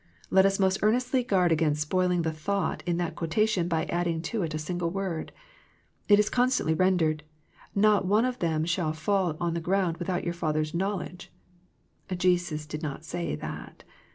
Let us most ear nestly guard against spoiling the thought in that quotation by adding to it a single word. It is constantly rendered, " not one of them shall fall on the ground without your Father's hnowledgeP Jesus did not say that.